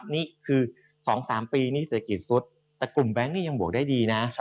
นี่คือ๒๓ปีนี่เศรษฐกิจซุดแต่กลุ่มแบงค์นี่ยังบวกได้ดีนะ